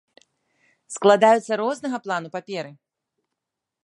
Складаюцца рознага плану паперы.